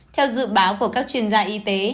theo dự báo của các chuyên gia y tế